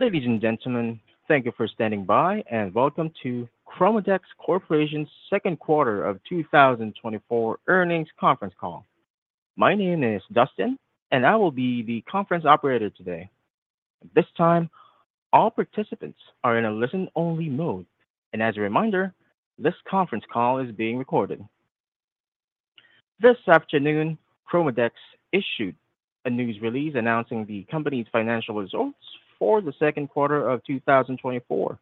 Ladies and gentlemen, thank you for standing by, and welcome to ChromaDex Corporation's Second Quarter of 2024 Earnings Conference call. My name is Dustin, and I will be the conference operator today. This time, all participants are in a listen-only mode, and as a reminder, this conference call is being recorded. This afternoon, ChromaDex issued a news release announcing the company's financial results for the second quarter of 2024.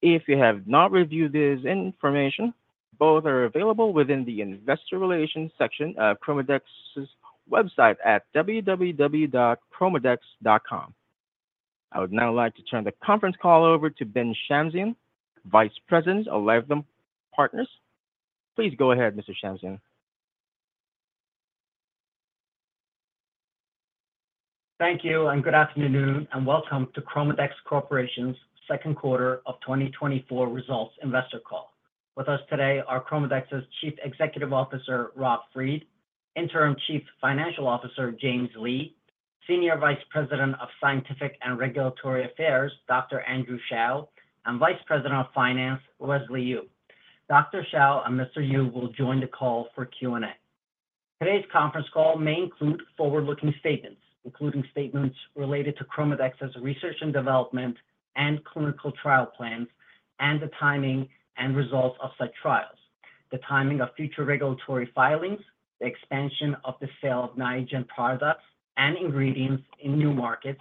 If you have not reviewed this information, both are available within the investor relations section of ChromaDex's website at www.chromadex.com. I would now like to turn the conference call over to Ben Shamsian, Vice President of Lytham Partners. Please go ahead, Mr. Shamsian. Thank you, and good afternoon, and welcome to ChromaDex Corporation's second quarter of 2024 results investor call. With us today are ChromaDex's Chief Executive Officer, Rob Fried; Interim Chief Financial Officer, James Lee; Senior Vice President of Scientific and Regulatory Affairs, Dr. Andrew Shao; and Vice President of Finance, Wesley Yu. Dr. Shao and Mr. Yu will join the call for Q&A. Today's conference call may include forward-looking statements, including statements related to ChromaDex's research and development and clinical trial plans, and the timing and results of such trials; the timing of future regulatory filings; the expansion of the sale of Niagen products and ingredients in new markets;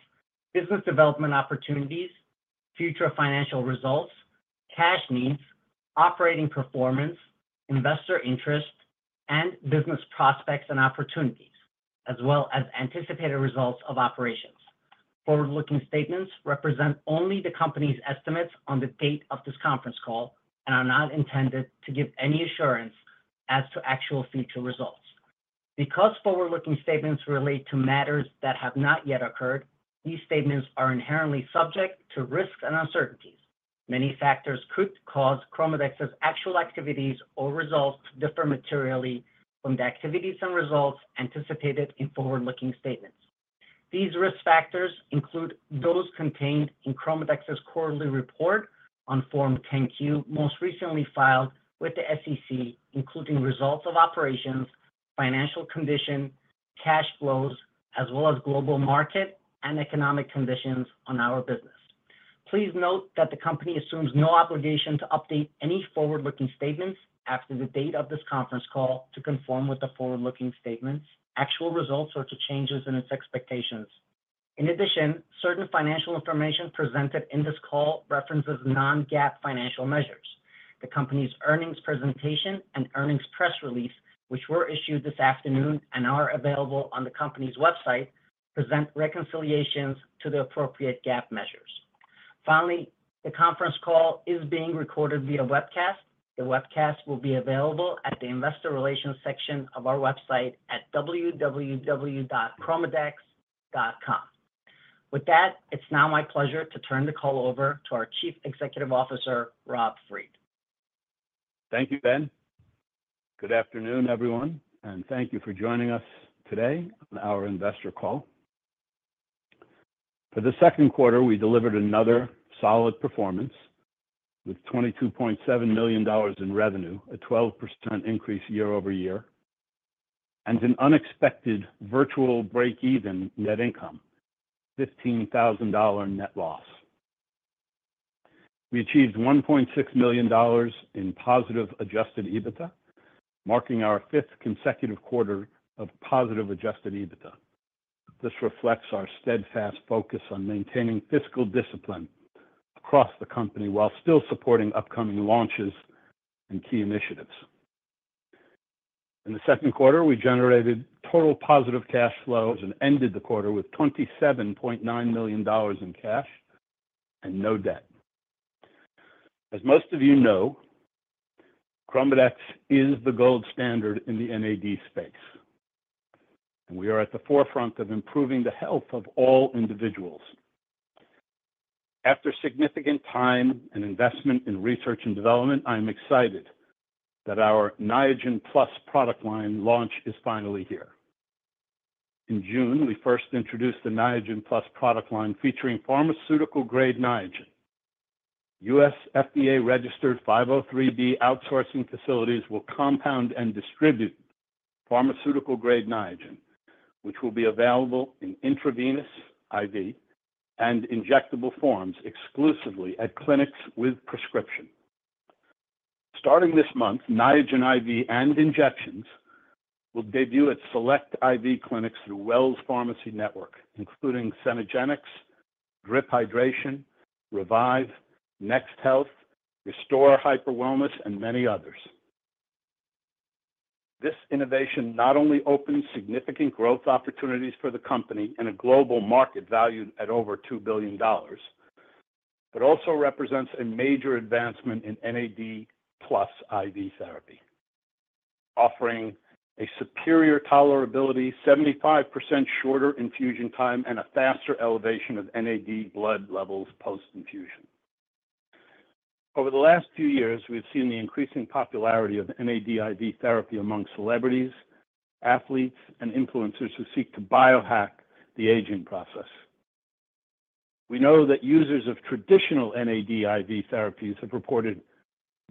business development opportunities; future financial results; cash needs; operating performance; investor interest; and business prospects and opportunities, as well as anticipated results of operations. Forward-looking statements represent only the company's estimates on the date of this conference call and are not intended to give any assurance as to actual future results. Because forward-looking statements relate to matters that have not yet occurred, these statements are inherently subject to risks and uncertainties. Many factors could cause ChromaDex's actual activities or results to differ materially from the activities and results anticipated in forward-looking statements. These risk factors include those contained in ChromaDex's quarterly report on Form 10-Q most recently filed with the SEC, including results of operations, financial condition, cash flows, as well as global market and economic conditions on our business. Please note that the company assumes no obligation to update any forward-looking statements after the date of this conference call to conform with the forward-looking statements, actual results, or to changes in its expectations. In addition, certain financial information presented in this call references non-GAAP financial measures. The company's earnings presentation and earnings press release, which were issued this afternoon and are available on the company's website, present reconciliations to the appropriate GAAP measures. Finally, the conference call is being recorded via webcast. The webcast will be available at the investor relations section of our website at www.chromadex.com. With that, it's now my pleasure to turn the call over to our Chief Executive Officer, Rob Fried. Thank you, Ben. Good afternoon, everyone, and thank you for joining us today on our investor call. For the second quarter, we delivered another solid performance with $22.7 million in revenue, a 12% increase year over year, and an unexpected virtual break-even net income, $15,000 net loss. We achieved $1.6 million in positive adjusted EBITDA, marking our fifth consecutive quarter of positive adjusted EBITDA. This reflects our steadfast focus on maintaining fiscal discipline across the company while still supporting upcoming launches and key initiatives. In the second quarter, we generated total positive cash flows and ended the quarter with $27.9 million in cash and no debt. As most of you know, ChromaDex is the gold standard in the NAD space, and we are at the forefront of improving the health of all individuals. After significant time and investment in research and development, I am excited that our Niagen Plus product line launch is finally here. In June, we first introduced the Niagen Plus product line featuring pharmaceutical-grade Niagen. U.S. FDA-registered 503(b) outsourcing facilities will compound and distribute pharmaceutical-grade Niagen, which will be available in intravenous (IV) and injectable forms exclusively at clinics with prescription. Starting this month, Niagen IV and injections will debut at select IV clinics through Wells Pharmacy Network, including Cenegenics, Drip Hydration, REVIV, Next Health, Restore Hyper Wellness, and many others. This innovation not only opens significant growth opportunities for the company in a global market valued at over $2 billion, but also represents a major advancement in NAD+ IV therapy, offering a superior tolerability, 75% shorter infusion time, and a faster elevation of NAD blood levels post-infusion. Over the last few years, we have seen the increasing popularity of NAD IV therapy among celebrities, athletes, and influencers who seek to biohack the aging process. We know that users of traditional NAD IV therapies have reported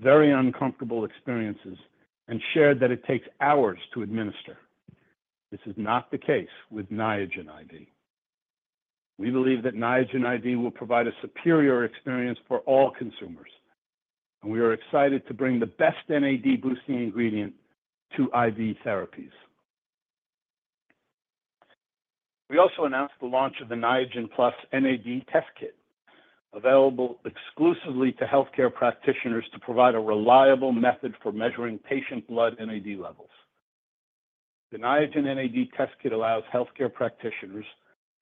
very uncomfortable experiences and shared that it takes hours to administer. This is not the case with Niagen IV. We believe that Niagen IV will provide a superior experience for all consumers, and we are excited to bring the best NAD-boosting ingredient to IV therapies. We also announced the launch of the Niagen Plus NAD Test Kit, available exclusively to healthcare practitioners to provide a reliable method for measuring patient blood NAD levels. The Niagen NAD Test Kit allows healthcare practitioners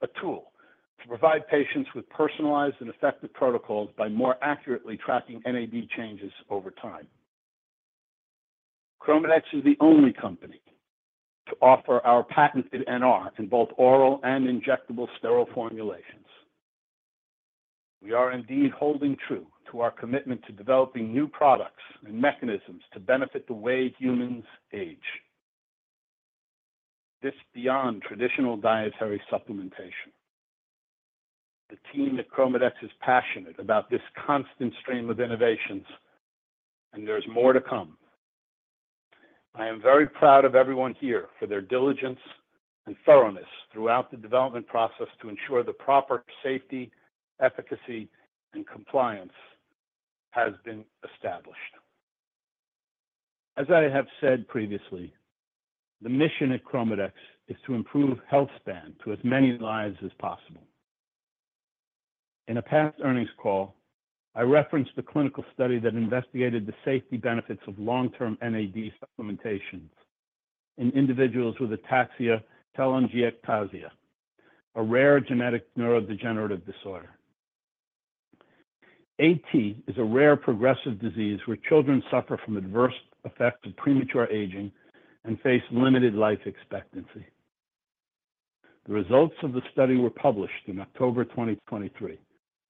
a tool to provide patients with personalized and effective protocols by more accurately tracking NAD changes over time. ChromaDex is the only company to offer our patented NR in both oral and injectable sterile formulations. We are indeed holding true to our commitment to developing new products and mechanisms to benefit the way humans age. This is beyond traditional dietary supplementation. The team at ChromaDex is passionate about this constant stream of innovations, and there is more to come. I am very proud of everyone here for their diligence and thoroughness throughout the development process to ensure the proper safety, efficacy, and compliance has been established. As I have said previously, the mission at ChromaDex is to improve health span to as many lives as possible. In a past earnings call, I referenced the clinical study that investigated the safety benefits of long-term NAD supplementations in individuals with Ataxia telangiectasia, a rare genetic neurodegenerative disorder. AT is a rare progressive disease where children suffer from adverse effects of premature aging and face limited life expectancy. The results of the study were published in October 2023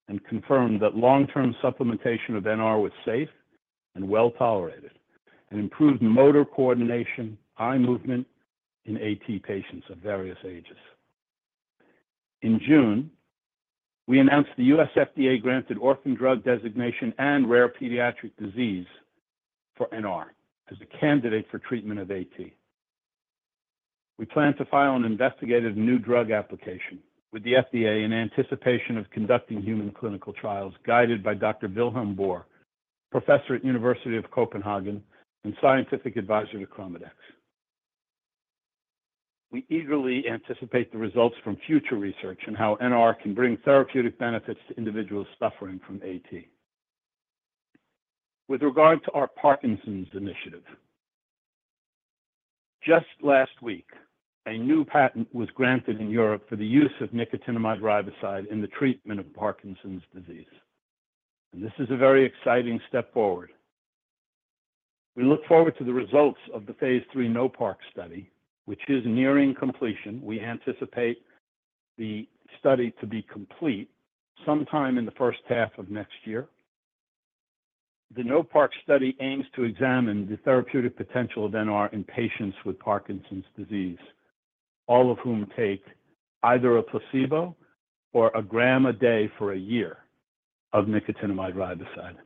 and confirmed that long-term supplementation of NR was safe and well tolerated and improved motor coordination, eye movement in AT patients of various ages. In June, we announced the U.S. FDA-granted orphan drug designation and rare pediatric disease for NR as a candidate for treatment of AT. We plan to file an investigative new drug application with the FDA in anticipation of conducting human clinical trials guided by Dr. Wilhelm Bohr, Professor at the University of Copenhagen, and scientific advisor to ChromaDex. We eagerly anticipate the results from future research and how NR can bring therapeutic benefits to individuals suffering from AT. With regard to our Parkinson's initiative, just last week, a new patent was granted in Europe for the use of nicotinamide riboside in the treatment of Parkinson's disease. This is a very exciting step forward. We look forward to the results of the phase III NOPARC study, which is nearing completion. We anticipate the study to be complete sometime in the first half of next year. The NOPARC study aims to examine the therapeutic potential of NR in patients with Parkinson's disease, all of whom take either a placebo or a gram a day for a year of nicotinamide riboside.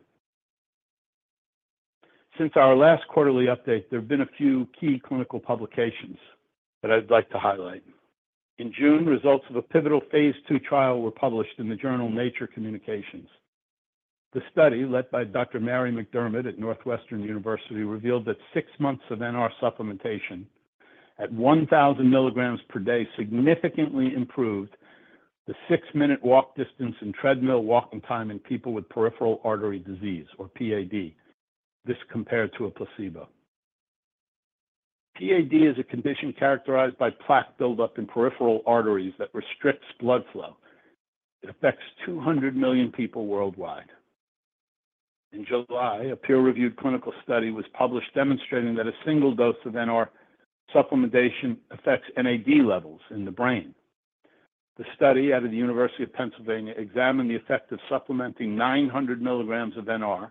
Since our last quarterly update, there have been a few key clinical publications that I'd like to highlight. In June, results of a pivotal phase II trial were published in the journal Nature Communications. The study, led by Dr. Mary McDermott at Northwestern University revealed that six months of NR supplementation at 1,000 milligrams per day significantly improved the six-minute walk distance and treadmill walking time in people with peripheral artery disease, or PAD. This compared to a placebo. PAD is a condition characterized by plaque buildup in peripheral arteries that restricts blood flow. It affects 200 million people worldwide. In July, a peer-reviewed clinical study was published demonstrating that a single dose of NR supplementation affects NAD levels in the brain. The study out of the University of Pennsylvania examined the effect of supplementing 900 milligrams of NR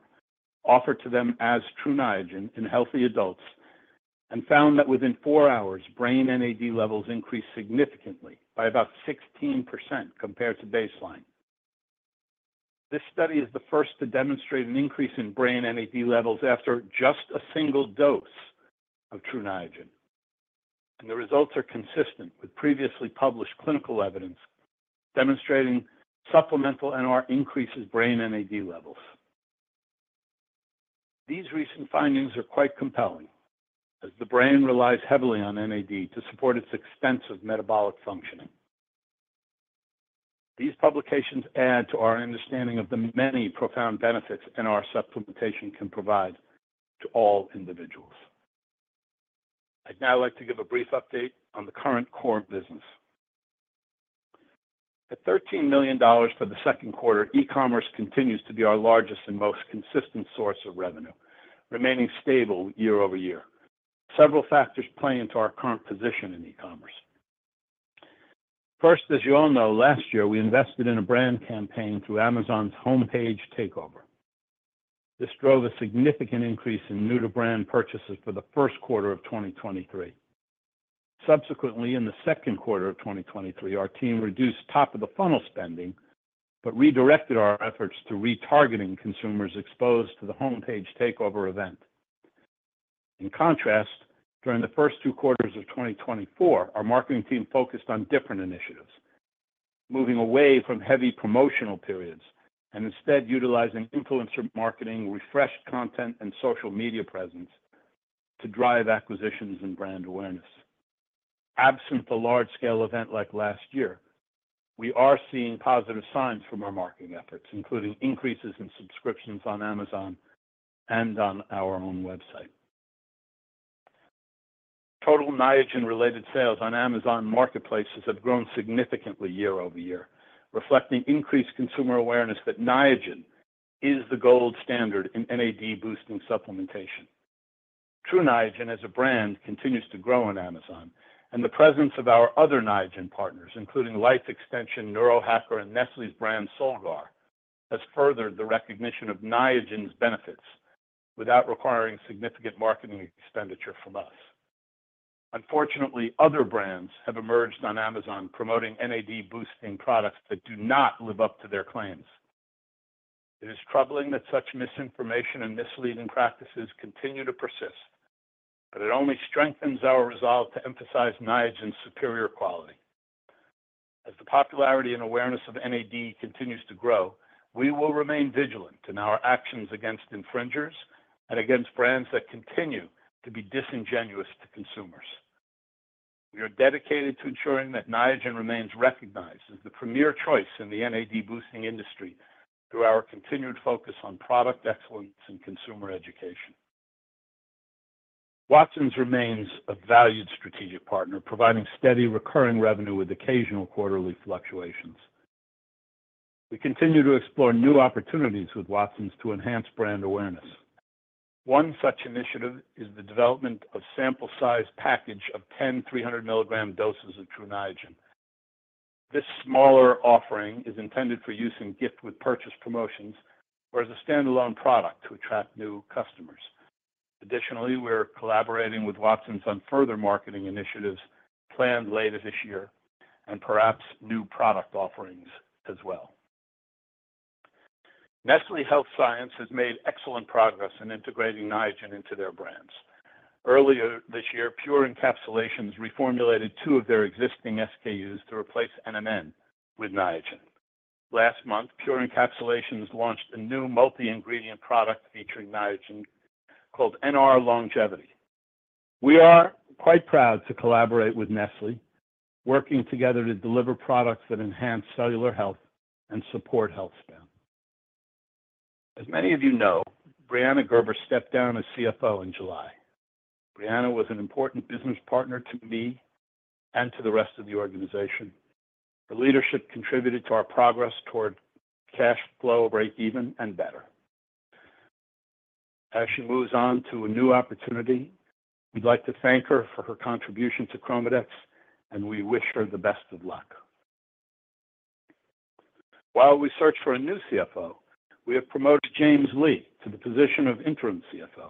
offered to them as True Niagen in healthy adults and found that within four hours, brain NAD levels increased significantly by about 16% compared to baseline. This study is the first to demonstrate an increase in brain NAD levels after just a single dose of True Niagen, and the results are consistent with previously published clinical evidence demonstrating supplemental NR increases brain NAD levels. These recent findings are quite compelling as the brain relies heavily on NAD to support its extensive metabolic functioning. These publications add to our understanding of the many profound benefits NR supplementation can provide to all individuals. I'd now like to give a brief update on the current core business. At $13 million for the second quarter, e-commerce continues to be our largest and most consistent source of revenue, remaining stable year-over-year. Several factors play into our current position in e-commerce. First, as you all know, last year we invested in a brand campaign through Amazon's homepage takeover. This drove a significant increase in new-to-brand purchases for the first quarter of 2023. Subsequently, in the second quarter of 2023, our team reduced top-of-the-funnel spending but redirected our efforts to retargeting consumers exposed to the homepage takeover event. In contrast, during the first two quarters of 2024, our marketing team focused on different initiatives, moving away from heavy promotional periods and instead utilizing influencer marketing, refreshed content, and social media presence to drive acquisitions and brand awareness. Absent a large-scale event like last year, we are seeing positive signs from our marketing efforts, including increases in subscriptions on Amazon and on our own website. Total Niagen-related sales on Amazon marketplaces have grown significantly year-over-year, reflecting increased consumer awareness that Niagen is the gold standard in NAD-boosting supplementation. True Niagen as a brand continues to grow on Amazon, and the presence of our other Niagen partners, including Life Extension, Neurohacker, and Nestlé's brand Solgar, has furthered the recognition of Niagen's benefits without requiring significant marketing expenditure from us. Unfortunately, other brands have emerged on Amazon promoting NAD-boosting products that do not live up to their claims. It is troubling that such misinformation and misleading practices continue to persist, but it only strengthens our resolve to emphasize Niagen's superior quality. As the popularity and awareness of NAD continues to grow, we will remain vigilant in our actions against infringers and against brands that continue to be disingenuous to consumers. We are dedicated to ensuring that Niagen remains recognized as the premier choice in the NAD-boosting industry through our continued focus on product excellence and consumer education. Watsons remains a valued strategic partner, providing steady recurring revenue with occasional quarterly fluctuations. We continue to explore new opportunities with Watsons to enhance brand awareness. One such initiative is the development of a sample-sized package of 10 300-milligram doses of True Niagen. This smaller offering is intended for use in gift-with-purchase promotions or as a standalone product to attract new customers. Additionally, we are collaborating with Watsons on further marketing initiatives planned later this year and perhaps new product offerings as well. Nestlé Health Science has made excellent progress in integrating Niagen into their brands. Earlier this year, Pure Encapsulations reformulated two of their existing SKUs to replace NMN with Niagen. Last month, Pure Encapsulations launched a new multi-ingredient product featuring Niagen called NR Longevity. We are quite proud to collaborate with Nestlé, working together to deliver products that enhance cellular health and support health span. As many of you know, Brianna Gerber stepped down as CFO in July. Brianna was an important business partner to me and to the rest of the organization. Her leadership contributed to our progress toward cash flow break-even and better. As she moves on to a new opportunity, we'd like to thank her for her contribution to ChromaDex, and we wish her the best of luck. While we search for a new CFO, we have promoted James Lee to the position of interim CFO.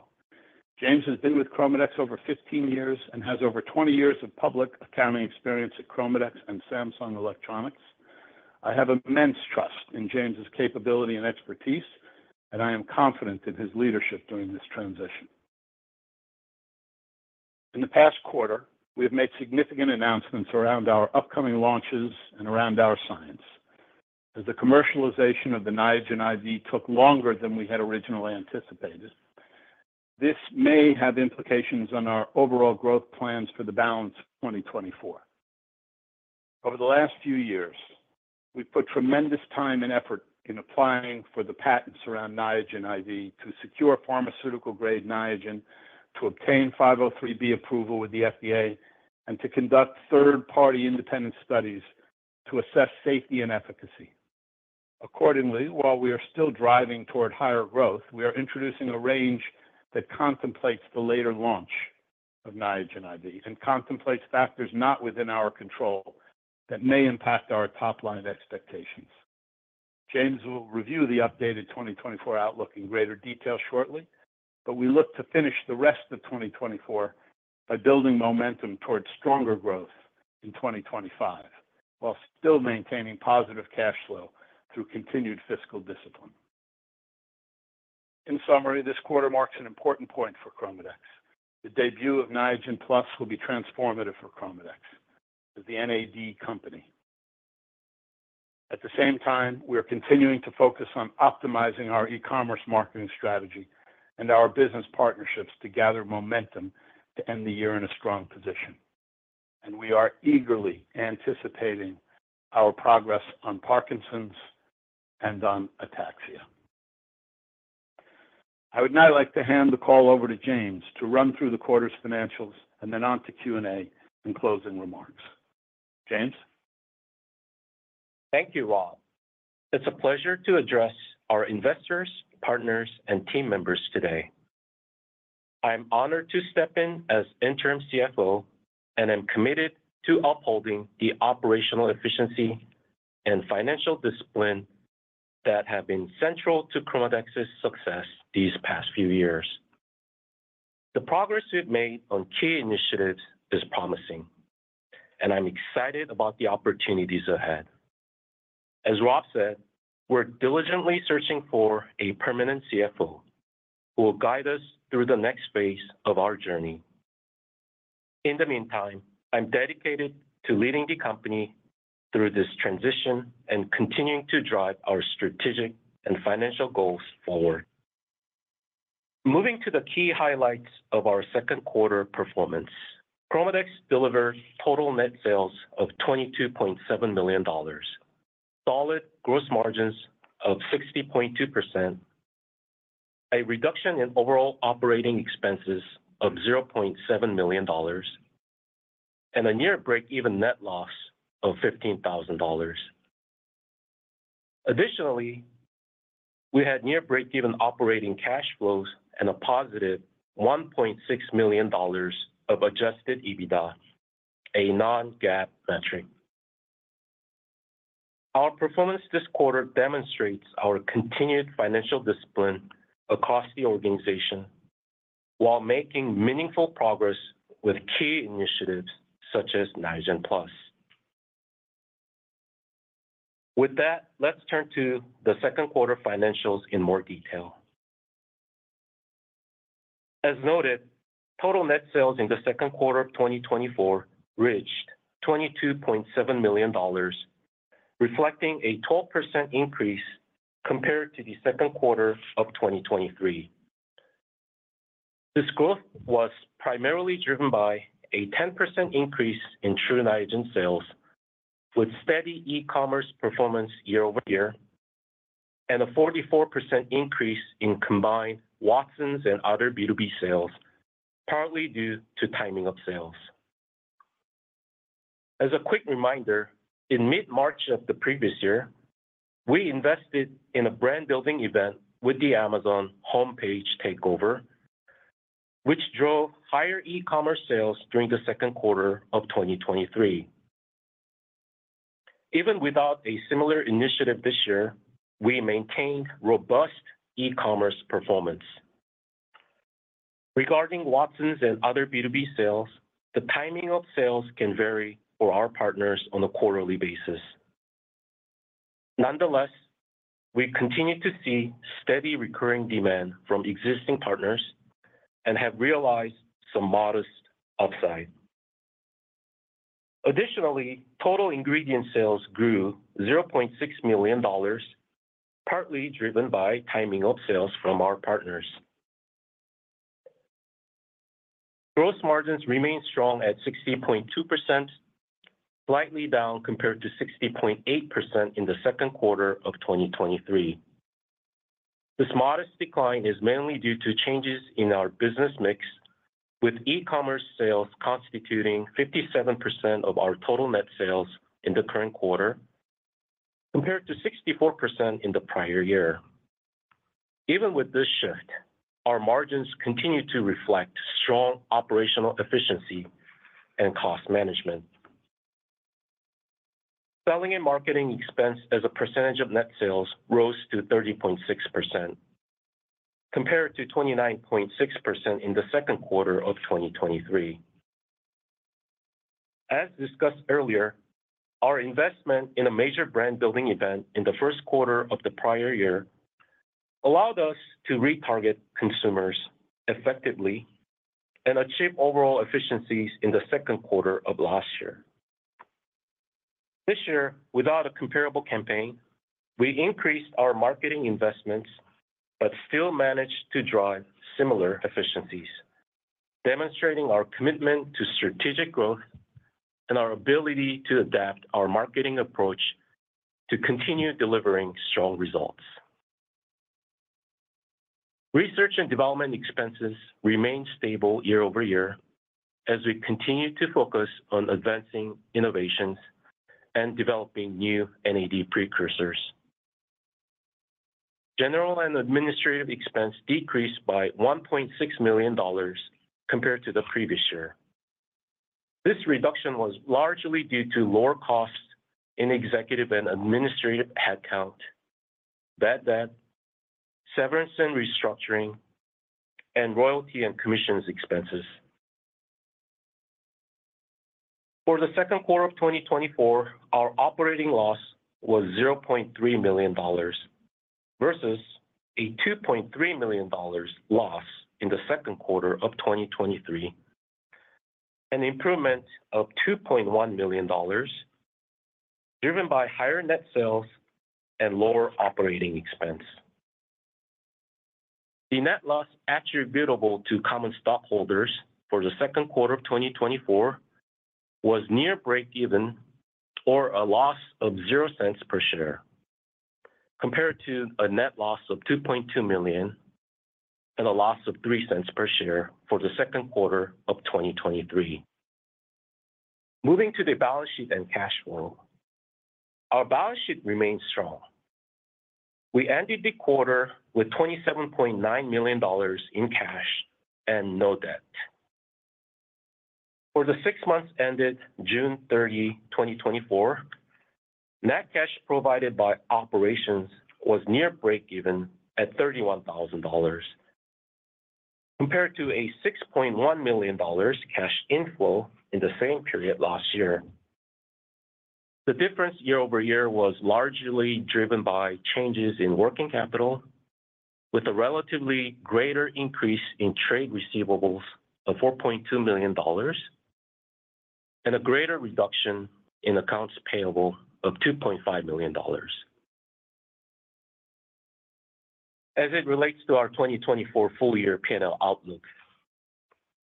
James has been with ChromaDex over 15 years and has over 20 years of public accounting experience at ChromaDex and Samsung Electronics. I have immense trust in James's capability and expertise, and I am confident in his leadership during this transition. In the past quarter, we have made significant announcements around our upcoming launches and around NR Science. As the commercialization of the Niagen IV took longer than we had originally anticipated, this may have implications on our overall growth plans for the balance of 2024. Over the last few years, we've put tremendous time and effort in applying for the patents around Niagen IV to secure pharmaceutical-grade Niagen, to obtain 503(b) approval with the FDA, and to conduct third-party independent studies to assess safety and efficacy. Accordingly, while we are still driving toward higher growth, we are introducing a range that contemplates the later launch of Niagen IV and contemplates factors not within our control that may impact our top-line expectations. James will review the updated 2024 outlook in greater detail shortly, but we look to finish the rest of 2024 by building momentum toward stronger growth in 2025 while still maintaining positive cash flow through continued fiscal discipline. In summary, this quarter marks an important point for ChromaDex. The debut of Niagen Plus will be transformative for ChromaDex as the NAD company. At the same time, we are continuing to focus on optimizing our e-commerce marketing strategy and our business partnerships to gather momentum to end the year in a strong position, and we are eagerly anticipating our progress on Parkinson's and on ataxia. I would now like to hand the call over to James to run through the quarter's financials and then on to Q&A and closing remarks. James? Thank you, Rob. It's a pleasure to address our investors, partners, and team members today. I am honored to step in as interim CFO, and I'm committed to upholding the operational efficiency and financial discipline that have been central to ChromaDex's success these past few years. The progress we've made on key initiatives is promising, and I'm excited about the opportunities ahead. As Rob said, we're diligently searching for a permanent CFO who will guide us through the next phase of our journey. In the meantime, I'm dedicated to leading the company through this transition and continuing to drive our strategic and financial goals forward. Moving to the key highlights of our second quarter performance, ChromaDex delivered total net sales of $22.7 million, solid gross margins of 60.2%, a reduction in overall operating expenses of $0.7 million, and a near break-even net loss of $15,000. Additionally, we had near break-even operating cash flows and a positive $1.6 million of Adjusted EBITDA, a non-GAAP metric. Our performance this quarter demonstrates our continued financial discipline across the organization while making meaningful progress with key initiatives such as Niagen Plus. With that, let's turn to the second quarter financials in more detail. As noted, total net sales in the second quarter of 2024 reached $22.7 million, reflecting a 12% increase compared to the second quarter of 2023. This growth was primarily driven by a 10% increase in True Niagen sales, with steady e-commerce performance year over year, and a 44% increase in combined Watsons and other B2B sales, partly due to timing of sales. As a quick reminder, in mid-March of the previous year, we invested in a brand-building event with the Amazon homepage takeover, which drove higher e-commerce sales during the second quarter of 2023. Even without a similar initiative this year, we maintained robust e-commerce performance. Regarding Watsons and other B2B sales, the timing of sales can vary for our partners on a quarterly basis. Nonetheless, we continue to see steady recurring demand from existing partners and have realized some modest upside. Additionally, total ingredient sales grew $0.6 million, partly driven by timing of sales from our partners. Gross margins remain strong at 60.2%, slightly down compared to 60.8% in the second quarter of 2023. This modest decline is mainly due to changes in our business mix, with e-commerce sales constituting 57% of our total net sales in the current quarter, compared to 64% in the prior year. Even with this shift, our margins continue to reflect strong operational efficiency and cost management. Selling and marketing expense as a percentage of net sales rose to 30.6%, compared to 29.6% in the second quarter of 2023. As discussed earlier, our investment in a major brand-building event in the first quarter of the prior year allowed us to retarget consumers effectively and achieve overall efficiencies in the second quarter of last year. This year, without a comparable campaign, we increased our marketing investments but still managed to drive similar efficiencies, demonstrating our commitment to strategic growth and our ability to adapt our marketing approach to continue delivering strong results. Research and development expenses remain stable year-over-year as we continue to focus on advancing innovations and developing new NAD precursors. General and administrative expense decreased by $1.6 million compared to the previous year. This reduction was largely due to lower costs in executive and administrative headcount, benefits, severance and restructuring, and royalty and commissions expenses. For the second quarter of 2024, our operating loss was $0.3 million versus a $2.3 million loss in the second quarter of 2023, an improvement of $2.1 million, driven by higher net sales and lower operating expense. The net loss attributable to common stockholders for the second quarter of 2024 was near break-even or a loss of $0.00 per share, compared to a net loss of $2.2 million and a loss of $0.03 per share for the second quarter of 2023. Moving to the balance sheet and cash flow, our balance sheet remained strong. We ended the quarter with $27.9 million in cash and no debt. For the six months ended June 30, 2024, net cash provided by operations was near break-even at $31,000, compared to a $6.1 million cash inflow in the same period last year. The difference year over year was largely driven by changes in working capital, with a relatively greater increase in trade receivables of $4.2 million and a greater reduction in accounts payable of $2.5 million. As it relates to our 2024 full-year P&L outlook,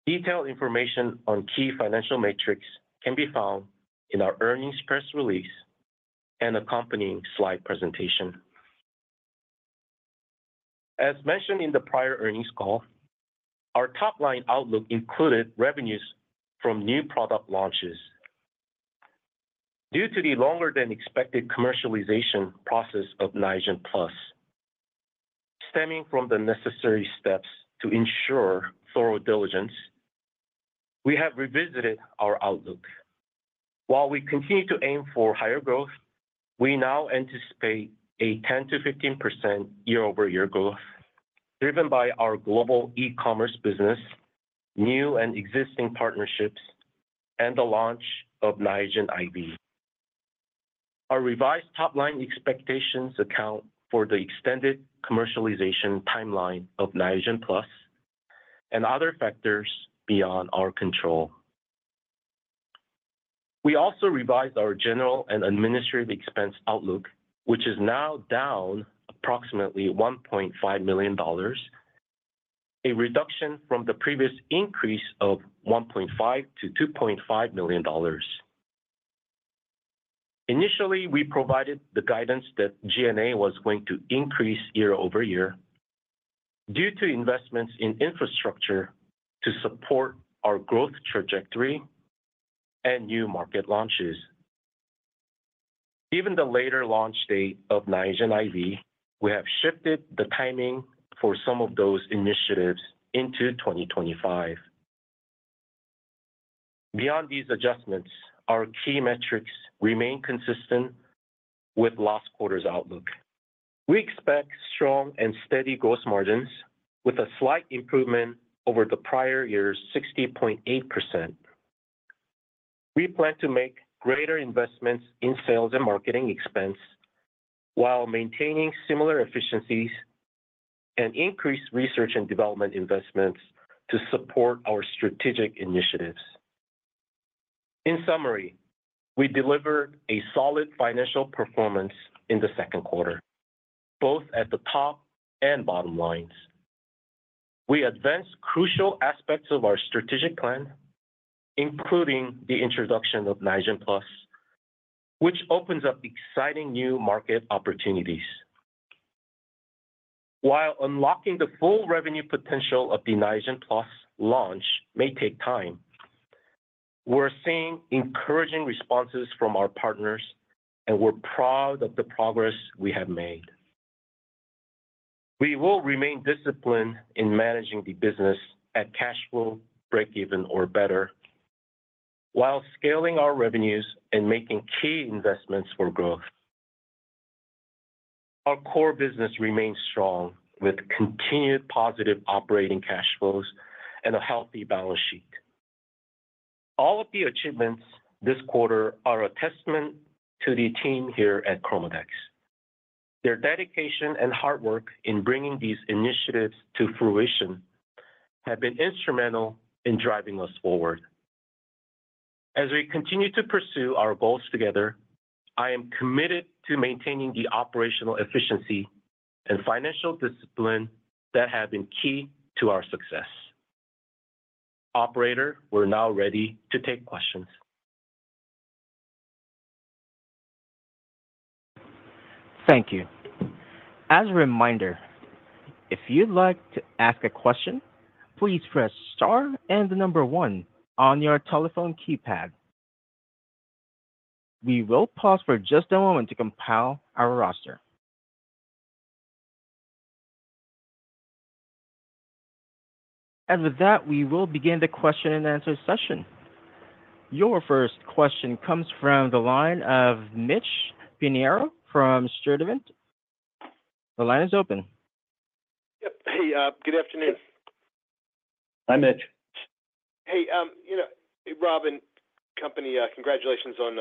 detailed information on key financial metrics can be found in our earnings press release and accompanying slide presentation. As mentioned in the prior earnings call, our top-line outlook included revenues from new product launches. Due to the longer-than-expected commercialization process of Niagen Plus, stemming from the necessary steps to ensure thorough diligence, we have revisited our outlook. While we continue to aim for higher growth, we now anticipate a 10%-15% year-over-year growth, driven by our global e-commerce business, new and existing partnerships, and the launch of Niagen IV. Our revised top-line expectations account for the extended commercialization timeline of Niagen Plus and other factors beyond our control. We also revised our general and administrative expense outlook, which is now down approximately $1.5 million, a reduction from the previous increase of $1.5 million-$2.5 million. Initially, we provided the guidance that G&A was going to increase year-over-year due to investments in infrastructure to support our growth trajectory and new market launches. Even with the later launch date of Niagen IV, we have shifted the timing for some of those initiatives into 2025. Beyond these adjustments, our key metrics remain consistent with last quarter's outlook. We expect strong and steady gross margins, with a slight improvement over the prior year's 60.8%. We plan to make greater investments in sales and marketing expense while maintaining similar efficiencies and increase research and development investments to support our strategic initiatives. In summary, we delivered a solid financial performance in the second quarter, both at the top and bottom lines. We advanced crucial aspects of our strategic plan, including the introduction of Niagen Plus, which opens up exciting new market opportunities. While unlocking the full revenue potential of the Niagen Plus launch may take time, we're seeing encouraging responses from our partners, and we're proud of the progress we have made. We will remain disciplined in managing the business at cash flow break-even or better, while scaling our revenues and making key investments for growth. Our core business remains strong, with continued positive operating cash flows and a healthy balance sheet. All of the achievements this quarter are a testament to the team here at ChromaDex. Their dedication and hard work in bringing these initiatives to fruition have been instrumental in driving us forward. As we continue to pursue our goals together, I am committed to maintaining the operational efficiency and financial discipline that have been key to our success. Operator, we're now ready to take questions. Thank you. As a reminder, if you'd like to ask a question, please press star and the number one on your telephone keypad. We will pause for just a moment to compile our roster. With that, we will begin the question-and-answer session. Your first question comes from the line of Mitch Pinheiro from Sturdivant & Co. The line is open. Yep. Hey, good afternoon. Hi, Mitch. Hey, Rob and company, congratulations on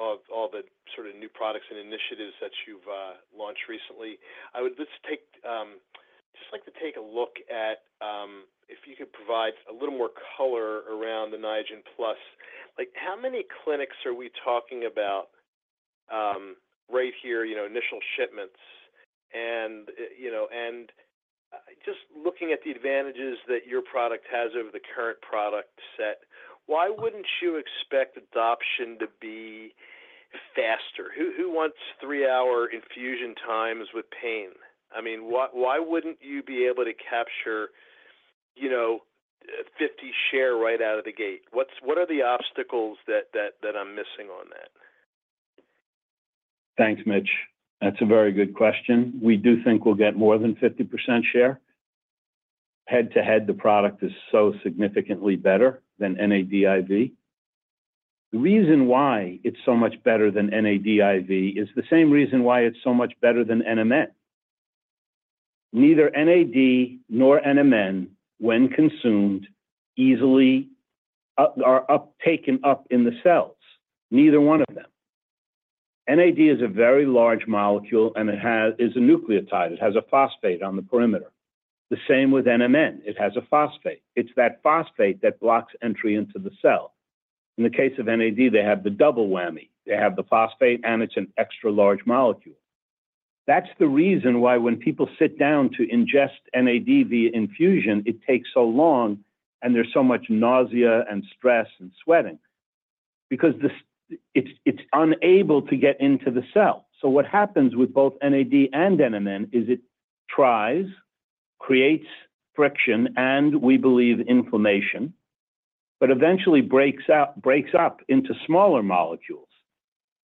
all the sort of new products and initiatives that you've launched recently. I would just like to take a look at if you could provide a little more color around the Niagen Plus. How many clinics are we talking about right here, initial shipments? Just looking at the advantages that your product has over the current product set, why wouldn't you expect adoption to be faster? Who wants 3-hour infusion times with pain? I mean, why wouldn't you be able to capture 50 share right out of the gate? What are the obstacles that I'm missing on that? Thanks, Mitch. That's a very good question. We do think we'll get more than 50% share. Head-to-head, the product is so significantly better than NADIV. The reason why it's so much better than NADIV is the same reason why it's so much better than NMN. Neither NAD nor NMN, when consumed, easily are taken up in the cells. Neither one of them. NAD is a very large molecule, and it is a nucleotide. It has a phosphate on the perimeter. The same with NMN. It has a phosphate. It's that phosphate that blocks entry into the cell. In the case of NAD, they have the double whammy. They have the phosphate, and it's an extra-large molecule. That's the reason why when people sit down to ingest NAD via infusion, it takes so long, and there's so much nausea and stress and sweating, because it's unable to get into the cell. So what happens with both NAD and NMN is it tries, creates friction, and we believe inflammation, but eventually breaks up into smaller molecules.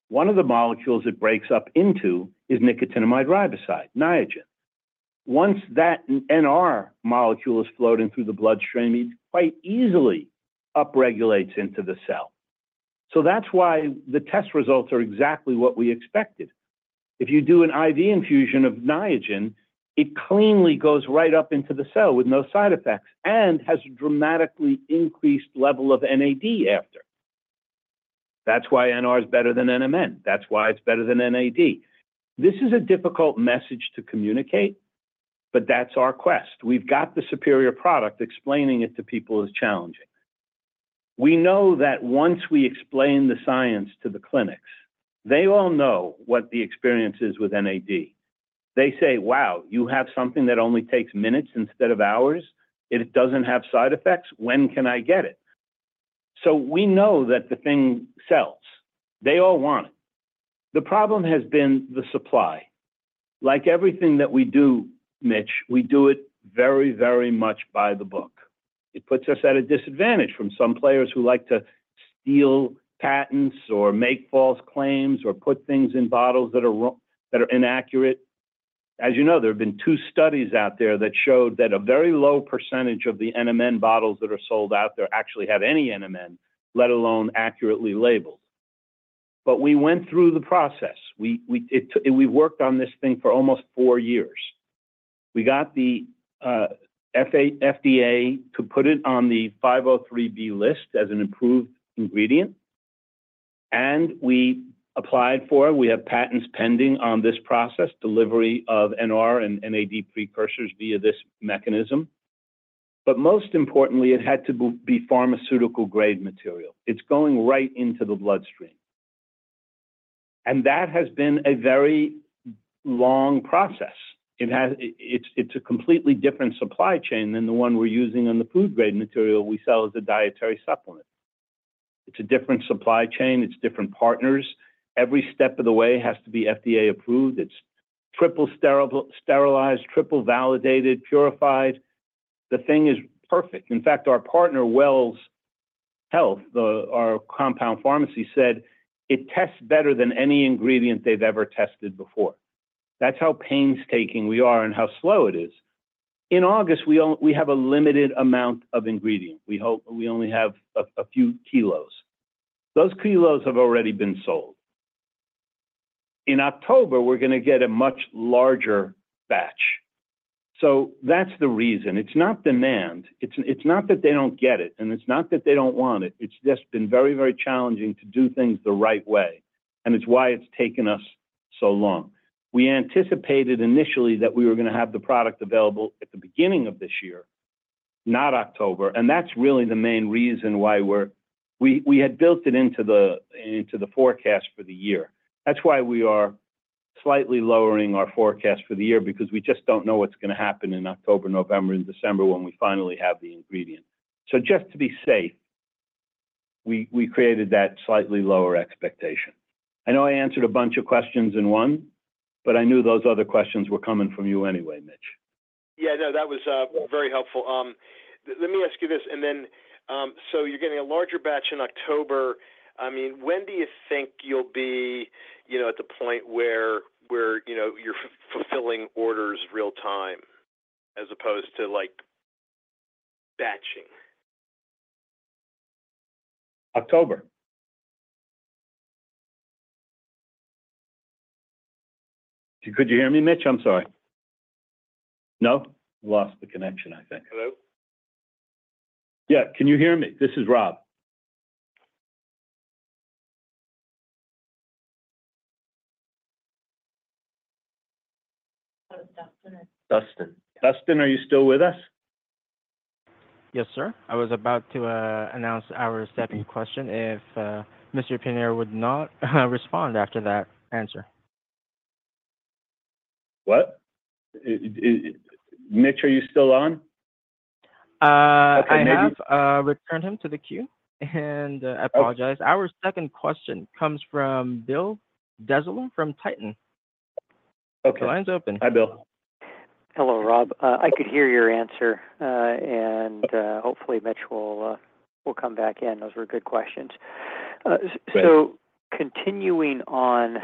One of the molecules it breaks up into is nicotinamide riboside, Niagen. Once that NR molecule is floating through the bloodstream, it quite easily upregulates into the cell. So that's why the test results are exactly what we expected. If you do an IV infusion of Niagen, it cleanly goes right up into the cell with no side effects and has a dramatically increased level of NAD after. That's why NR is better than NMN. That's why it's better than NAD. This is a difficult message to communicate, but that's our quest. We've got the superior product. Explaining it to people is challenging. We know that once we explain the science to the clinics, they all know what the experience is with NAD. They say, "Wow, you have something that only takes minutes instead of hours. It doesn't have side effects. When can I get it?" So we know that the thing sells. They all want it. The problem has been the supply. Like everything that we do, Mitch, we do it very, very much by the book. It puts us at a disadvantage from some players who like to steal patents or make false claims or put things in bottles that are inaccurate. As you know, there have been 2 studies out there that showed that a very low percentage of the NMN bottles that are sold out there actually have any NMN, let alone accurately labeled. But we went through the process. We've worked on this thing for almost 4 years. We got the FDA to put it on the 503(b) list as an improved ingredient, and we applied for it. We have patents pending on this process, delivery of NR and NAD precursors via this mechanism. But most importantly, it had to be pharmaceutical-grade material. It's going right into the bloodstream. And that has been a very long process. It's a completely different supply chain than the one we're using on the food-grade material we sell as a dietary supplement. It's a different supply chain. It's different partners. Every step of the way has to be FDA approved. It's triple sterilized, triple validated, purified. The thing is perfect. In fact, our partner, Wells Pharmacy Network, our compound pharmacy, said it tests better than any ingredient they've ever tested before. That's how painstaking we are and how slow it is. In August, we have a limited amount of ingredient. We only have a few kilos. Those kilos have already been sold. In October, we're going to get a much larger batch. So that's the reason. It's not demand. It's not that they don't get it, and it's not that they don't want it. It's just been very, very challenging to do things the right way. It's why it's taken us so long. We anticipated initially that we were going to have the product available at the beginning of this year, not October. That's really the main reason why we had built it into the forecast for the year. That's why we are slightly lowering our forecast for the year, because we just don't know what's going to happen in October, November, and December when we finally have the ingredient. So just to be safe, we created that slightly lower expectation. I know I answered a bunch of questions in one, but I knew those other questions were coming from you anyway, Mitch. Yeah, no, that was very helpful. Let me ask you this. You're getting a larger batch in October. I mean, when do you think you'll be at the point where you're fulfilling orders real-time as opposed to batching? October. Could you hear me, Mitch? I'm sorry. No? Lost the connection, I think. Hello? Yeah. Can you hear me? This is Rob. Dustin. Dustin. Dustin, are you still with us? Yes, sir. I was about to announce our second question if Mr. Pinheiro would not respond after that answer. What? Mitch, are you still on? I have returned him to the queue. And I apologize. Our second question comes from Bill Dezellem from Tieton Capital Management. The line's open. Hi, Bill. Hello, Rob. I could hear your answer. And hopefully, Mitch will come back in. Those were good questions. So continuing on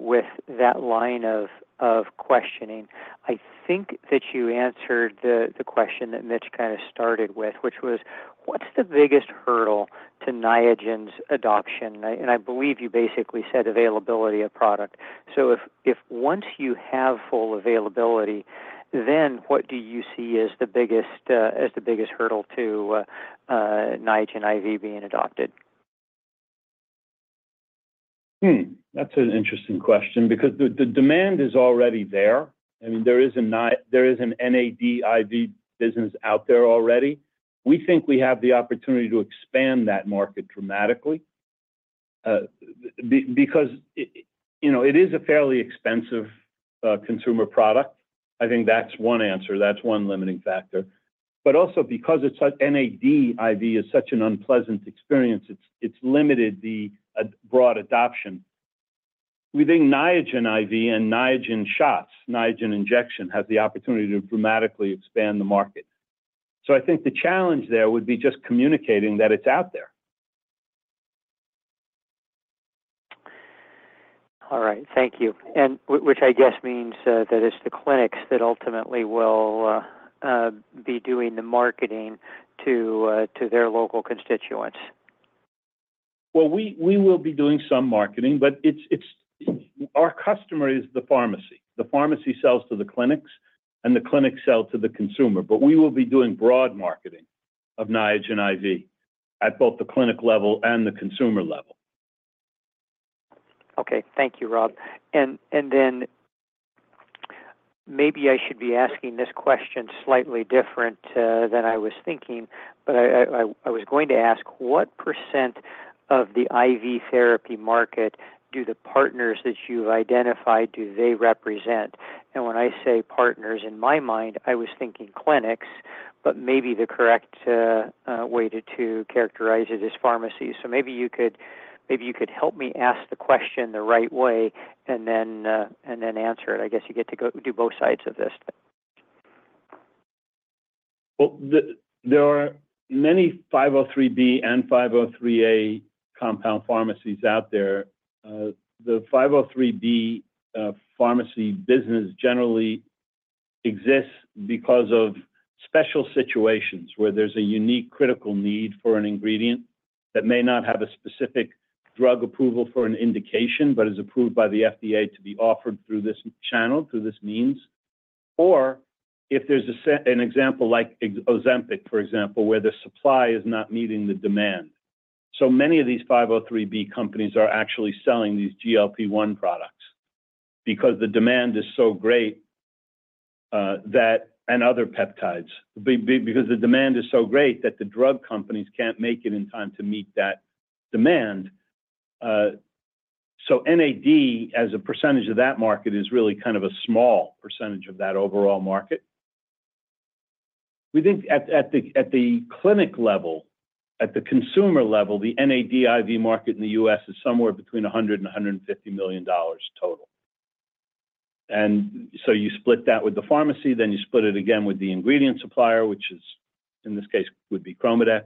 with that line of questioning, I think that you answered the question that Mitch kind of started with, which was, what's the biggest hurdle to Niagen's adoption? And I believe you basically said availability of product. So if once you have full availability, then what do you see as the biggest hurdle to Niagen IV being adopted? That's an interesting question because the demand is already there. I mean, there is an NAD IV business out there already. We think we have the opportunity to expand that market dramatically because it is a fairly expensive consumer product. I think that's one answer. That's one limiting factor. But also because NAD IV is such an unpleasant experience, it's limited the broad adoption. We think Niagen IV and Niagen shots, Niagen injection, have the opportunity to dramatically expand the market. So I think the challenge there would be just communicating that it's out there. All right. Thank you. And which I guess means that it's the clinics that ultimately will be doing the marketing to their local constituents. Well, we will be doing some marketing, but our customer is the pharmacy. The pharmacy sells to the clinics, and the clinics sell to the consumer. But we will be doing broad marketing of Niagen IV at both the clinic level and the consumer level. Okay. Thank you, Rob. And then maybe I should be asking this question slightly different than I was thinking, but I was going to ask what percentage of the IV therapy market do the partners that you've identified, do they represent? And when I say partners, in my mind, I was thinking clinics, but maybe the correct way to characterize it is pharmacies. So maybe you could help me ask the question the right way and then answer it. I guess you get to do both sides of this. Well, there are many 503(b) and 503(a) compound pharmacies out there. The 503(b) pharmacy business generally exists because of special situations where there's a unique critical need for an ingredient that may not have a specific drug approval for an indication but is approved by the FDA to be offered through this channel, through this means. Or if there's an example like Ozempic, for example, where the supply is not meeting the demand. So many of these 503(b) companies are actually selling these GLP-1 products because the demand is so great that and other peptides, because the demand is so great that the drug companies can't make it in time to meet that demand. So NAD, as a percentage of that market, is really kind of a small percentage of that overall market. We think at the clinic level, at the consumer level, the NADIV market in the U.S. is somewhere between $100 million-$150 million total. So you split that with the pharmacy, then you split it again with the ingredient supplier, which in this case would be ChromaDex.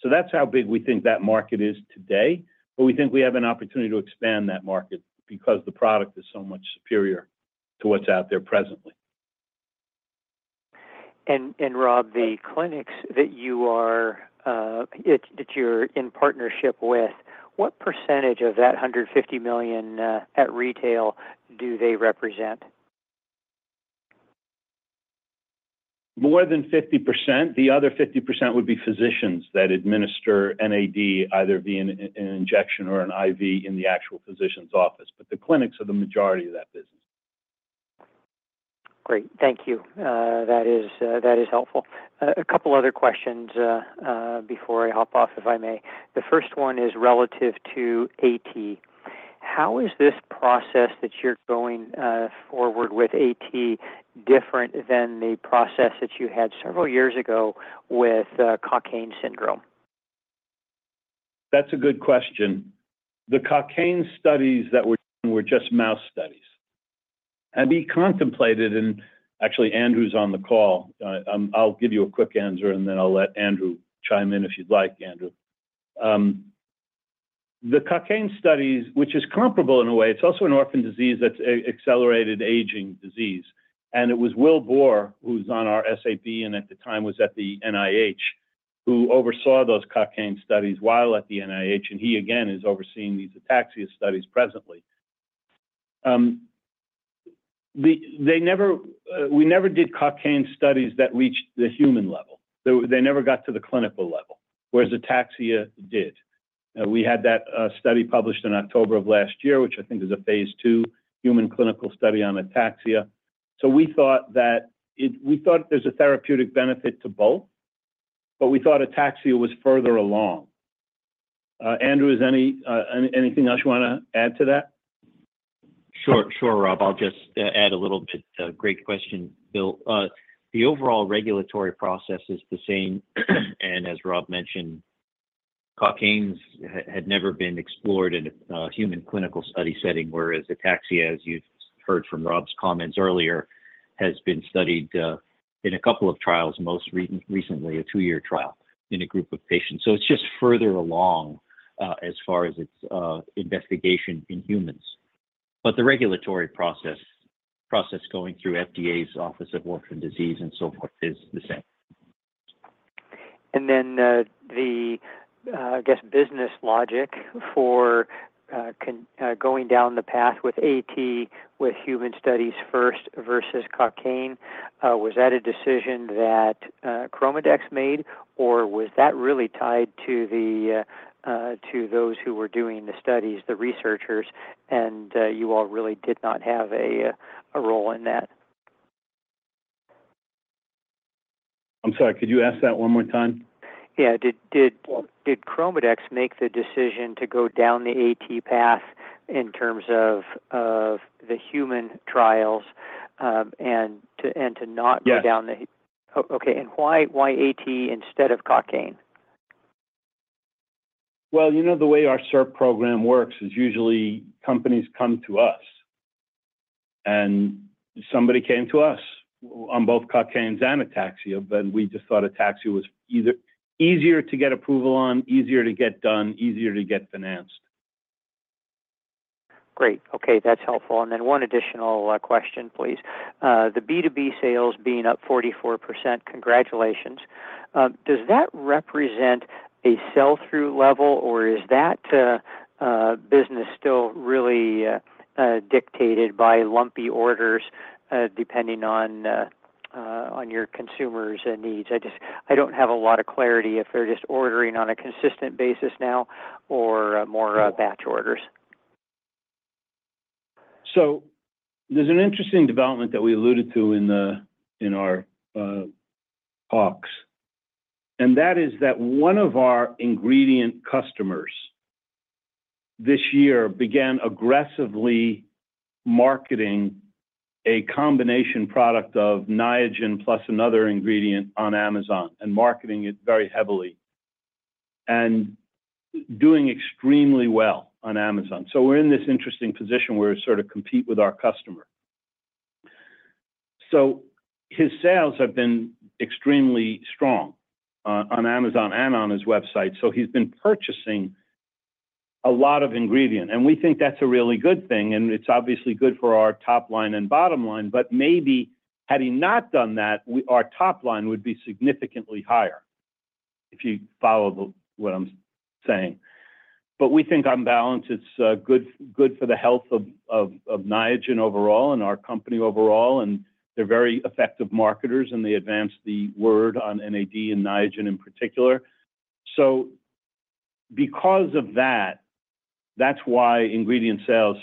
So that's how big we think that market is today. But we think we have an opportunity to expand that market because the product is so much superior to what's out there presently. And Rob, the clinics that you're in partnership with, what percentage of that $150 million at retail do they represent? More than 50%. The other 50% would be physicians that administer NAD either via an injection or an IV in the actual physician's office. But the clinics are the majority of that business. Great. Thank you. That is helpful. A couple of other questions before I hop off, if I may. The first one is relative to AT. How is this process that you're going forward with AT different than the process that you had several years ago with Cockayne syndrome? That's a good question. The Cockayne studies that were done were just mouse studies. Have you contemplated, and actually, Andrew's on the call. I'll give you a quick answer, and then I'll let Andrew chime in if you'd like, Andrew. The Cockayne studies, which is comparable in a way, it's also an orphan disease that's accelerated aging disease. And it was Wilhelm Bohr, who's on our SAB and at the time was at the NIH, who oversaw those Cockayne studies while at the NIH. And he, again, is overseeing these ataxia studies presently. We never did Cockayne studies that reached the human level. They never got to the clinical level, whereas ataxia did. We had that study published in October of last year, which I think is a phase two human clinical study on ataxia. So we thought that there's a therapeutic benefit to both, but we thought ataxia was further along. Andrew, is there anything else you want to add to that? Sure. Sure, Rob. I'll just add a little bit. Great question, Bill. The overall regulatory process is the same. And as Rob mentioned, Cockayne syndrome had never been explored in a human clinical study setting, whereas ataxia, as you've heard from Rob's comments earlier, has been studied in a couple of trials most recently, a two-year trial in a group of patients. So it's just further along as far as its investigation in humans. But the regulatory process going through FDA's Office of Orphan Disease and so forth is the same. And then the, I guess, business logic for going down the path with AT with human studies first versus Cockayne syndrome, was that a decision that ChromaDex made, or was that really tied to those who were doing the studies, the researchers, and you all really did not have a role in that? I'm sorry. Could you ask that one more time? Yeah. Did ChromaDex make the decision to go down the AT path in terms of the human trials and to not go down the? Yes. Okay. And why AT instead of Cockayne syndrome? Well, you know the way our CERP program works is usually companies come to us, and somebody came to us on both Cockayne syndrome and ataxia telangiectasia, then we just thought ataxia telangiectasia was easier to get approval on, easier to get done, easier to get financed. Great. Okay. That's helpful. And then one additional question, please. The B2B sales being up 44%, congratulations. Does that represent a sell-through level, or is that business still really dictated by lumpy orders depending on your consumers' needs? I don't have a lot of clarity if they're just ordering on a consistent basis now or more batch orders. So there's an interesting development that we alluded to in our talks. And that is that one of our ingredient customers this year began aggressively marketing a combination product of Niagen plus another ingredient on Amazon and marketing it very heavily and doing extremely well on Amazon. So we're in this interesting position where we sort of compete with our customer. So his sales have been extremely strong on Amazon and on his website. So he's been purchasing a lot of ingredient. And we think that's a really good thing. And it's obviously good for our top line and bottom line. But maybe had he not done that, our top line would be significantly higher if you follow what I'm saying. But we think on balance, it's good for the health of Niagen overall and our company overall. And they're very effective marketers, and they advance the word on NAD and Niagen in particular. So because of that, that's why ingredient sales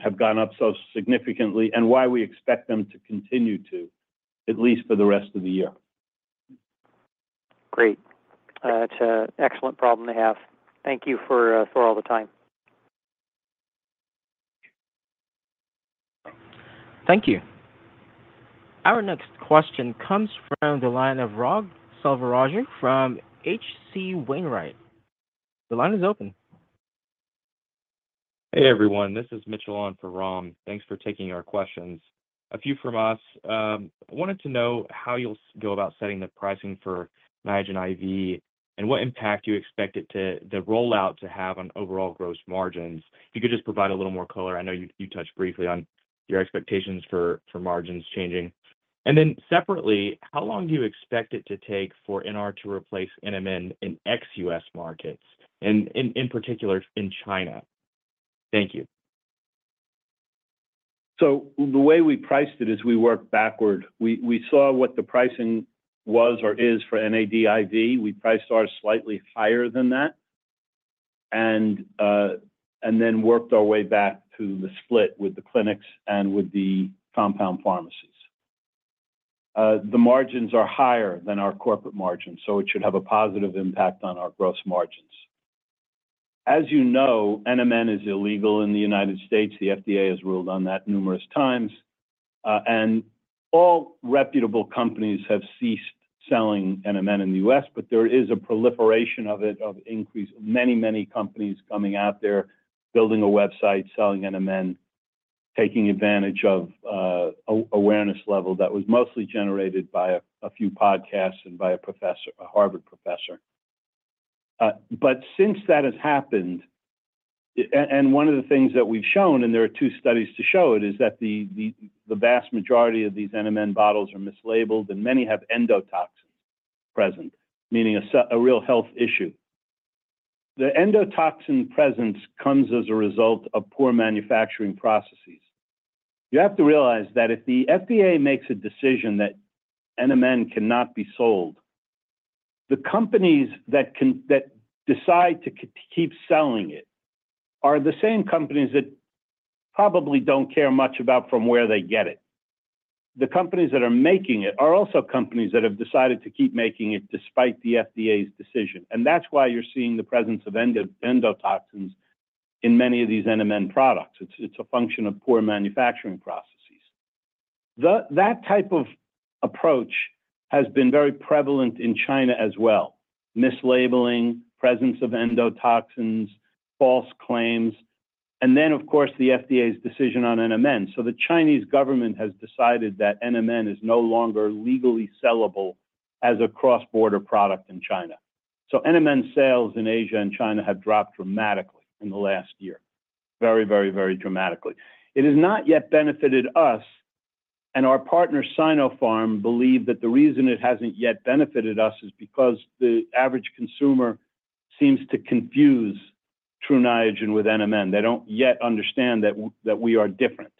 have gone up so significantly and why we expect them to continue to, at least for the rest of the year. Great. That's an excellent problem to have. Thank you for all the time. Thank you. Our next question comes from the line of Ram Selvaraju from H.C. Wainwright. The line is open. Hey, everyone. This is Mitchell on for Ron. Thanks for taking our questions. A few from us. I wanted to know how you'll go about setting the pricing for Niagen IV and what impact you expect the rollout to have on overall gross margins. If you could just provide a little more color. I know you touched briefly on your expectations for margins changing. And then separately, how long do you expect it to take for NR to replace NMN in ex-US markets, and in particular in China? Thank you. So the way we priced it is we worked backward. We saw what the pricing was or is for NAD IV. We priced ours slightly higher than that and then worked our way back to the split with the clinics and with the compound pharmacies. The margins are higher than our corporate margins, so it should have a positive impact on our gross margins. As you know, NMN is illegal in the United States. The FDA has ruled on that numerous times. All reputable companies have ceased selling NMN in the U.S., but there is a proliferation of it, of increase, many, many companies coming out there, building a website, selling NMN, taking advantage of awareness level that was mostly generated by a few podcasts and by a Harvard professor. Since that has happened, and one of the things that we've shown, and there are two studies to show it, is that the vast majority of these NMN bottles are mislabeled, and many have endotoxins present, meaning a real health issue. The endotoxin presence comes as a result of poor manufacturing processes. You have to realize that if the FDA makes a decision that NMN cannot be sold, the companies that decide to keep selling it are the same companies that probably don't care much about from where they get it. The companies that are making it are also companies that have decided to keep making it despite the FDA's decision. And that's why you're seeing the presence of endotoxins in many of these NMN products. It's a function of poor manufacturing processes. That type of approach has been very prevalent in China as well: mislabeling, presence of endotoxins, false claims, and then, of course, the FDA's decision on NMN. So the Chinese government has decided that NMN is no longer legally sellable as a cross-border product in China. So NMN sales in Asia and China have dropped dramatically in the last year, very, very, very dramatically. It has not yet benefited us, and our partner, Sinopharm, believes that the reason it hasn't yet benefited us is because the average consumer seems to confuse True Niagen with NMN. They don't yet understand that we are different.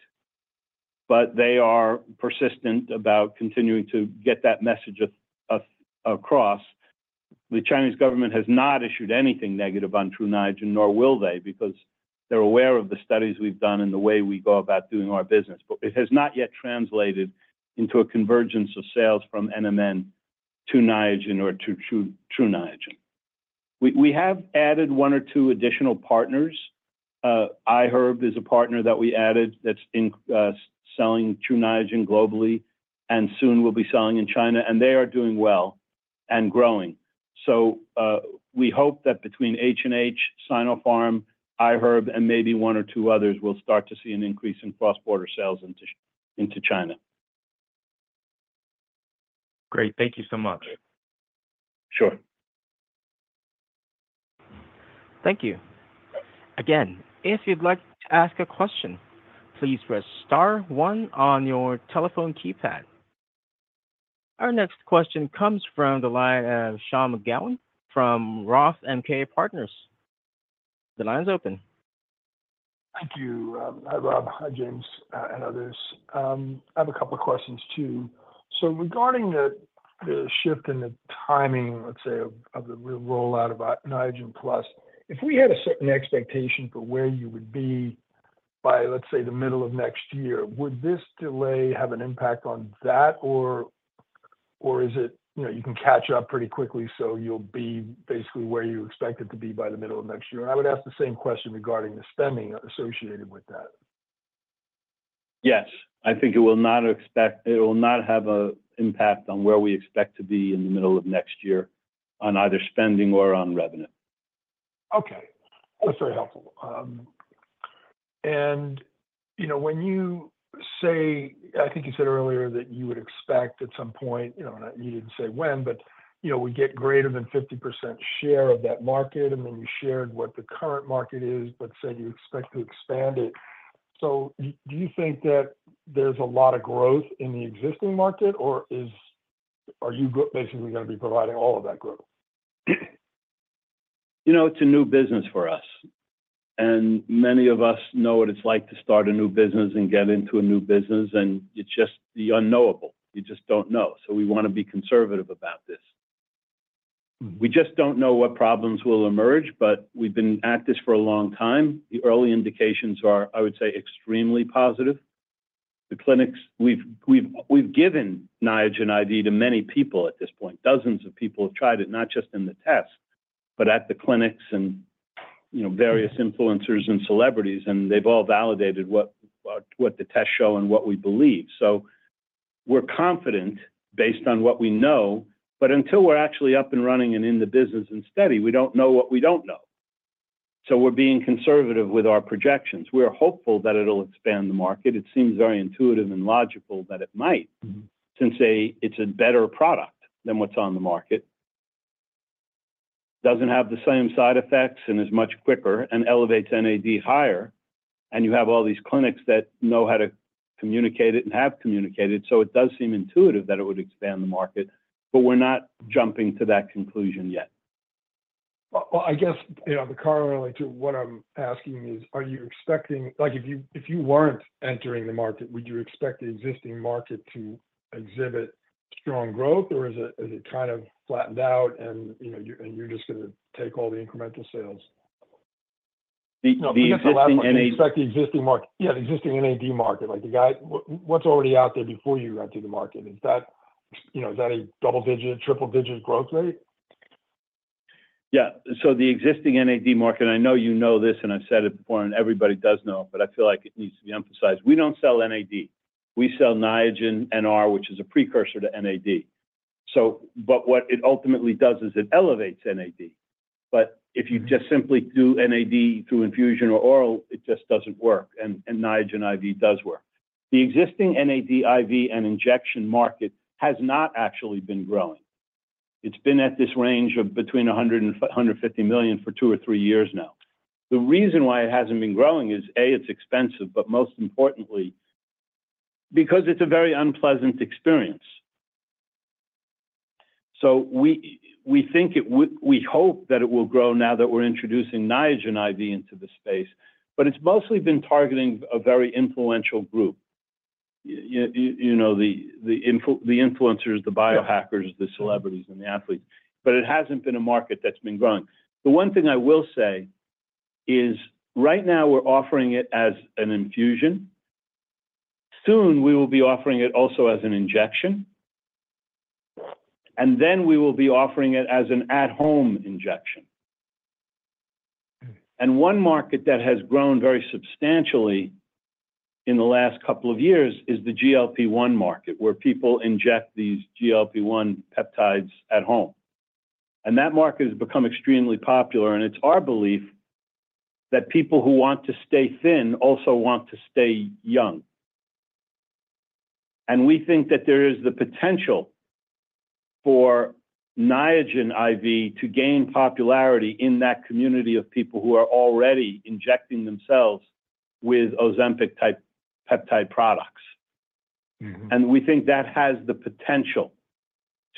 But they are persistent about continuing to get that message across. The Chinese government has not issued anything negative on True Niagen, nor will they, because they're aware of the studies we've done and the way we go about doing our business. But it has not yet translated into a convergence of sales from NMN to Niagen or to True Niagen. We have added one or two additional partners. iHerb is a partner that we added that's selling True Niagen globally and soon will be selling in China. And they are doing well and growing. So we hope that between H&H, Sinopharm, iHerb, and maybe one or two others, we'll start to see an increase in cross-border sales into China. Great. Thank you so much. Sure. Thank you. Again, if you'd like to ask a question, please press star one on your telephone keypad. Our next question comes from the line of Sean McGowan from Roth MKM. The line's open. Thank you, Rob, James, and others. I have a couple of questions too. So regarding the shift in the timing, let's say, of the rollout of Niagen Plus, if we had a certain expectation for where you would be by, let's say, the middle of next year, would this delay have an impact on that, or is it you can catch up pretty quickly, so you'll be basically where you expect it to be by th e middle of next year? And I would ask the same question regarding the spending associated with that. Yes. I think it will not have an impact on where we expect to be in the middle of next year on either spending or on revenue. Okay. That's very helpful. When you say I think you said earlier that you would expect at some point you didn't say when, but we get greater than 50% share of that market, and then you shared what the current market is, but said you expect to expand it. So do you think that there's a lot of growth in the existing market, or are you basically going to be providing all of that growth? It's a new business for us. Many of us know what it's like to start a new business and get into a new business, and it's just the unknowable. You just don't know. So we want to be conservative about this. We just don't know what problems will emerge, but we've been at this for a long time. The early indications are, I would say, extremely positive. We've given Niagen IV to many people at this point. Dozens of people have tried it, not just in the test, but at the clinics and various influencers and celebrities, and they've all validated what the tests show and what we believe. So we're confident based on what we know, but until we're actually up and running and in the business and steady, we don't know what we don't know. So we're being conservative with our projections. We're hopeful that it'll expand the market. It seems very intuitive and logical that it might, since it's a better product than what's on the market. It doesn't have the same side effects and is much quicker and elevates NAD higher. And you have all these clinics that know how to communicate it and have communicated it, so it does seem intuitive that it would expand the market, but we're not jumping to that conclusion yet. Well, I guess the corollary to what I'm asking is, are you expecting if you weren't entering the market, would you expect the existing market to exhibit strong growth, or is it kind of flattened out and you're just going to take all the incremental sales? The existing NAD. You're going to expect the existing market. Yeah, the existing NAD market. What's already out there before you enter the market? Is that a double-digit, triple-digit growth rate? Yeah. So the existing NAD market, and I know you know this and I've said it before, and everybody does know, but I feel like it needs to be emphasized. We don't sell NAD. We sell Niagen NR, which is a precursor to NAD. But what it ultimately does is it elevates NAD. But if you just simply do NAD through infusion or oral, it just doesn't work. And Niagen IV does work. The existing NAD IV and injection market has not actually been growing. It's been at this range of between $100 million and $150 million for two years or three years now. The reason why it hasn't been growing is, A, it's expensive, but most importantly, because it's a very unpleasant experience. So we hope that it will grow now that we're introducing Niagen IV into the space, but it's mostly been targeting a very influential group: the influencers, the biohackers, the celebrities, and the athletes. But it hasn't been a market that's been growing. The one thing I will say is, right now, we're offering it as an infusion. Soon, we will be offering it also as an injection. And then we will be offering it as an at-home injection. One market that has grown very substantially in the last couple of years is the GLP-1 market, where people inject these GLP-1 peptides at home. That market has become extremely popular, and it's our belief that people who want to stay thin also want to stay young. We think that there is the potential for Niagen IV to gain popularity in that community of people who are already injecting themselves with Ozempic-type peptide products. We think that has the potential